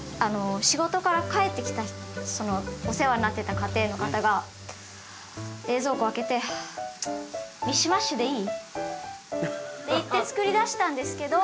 仕事から帰ってきたお世話になってた家庭の方が冷蔵庫開けて「はあチッミッシュマッシュでいい？」って言ってつくり出したんですけど。